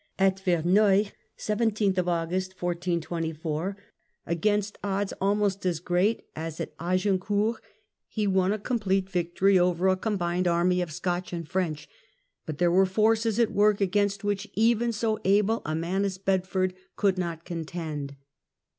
uTiTAilg. A.t Verneuil, against odds almost as great as at Agincourt, ^*"^'* he won a complete victory over a combined army of Scotch and French : but there were forces at work against which even so able a man as Bedford could not contend.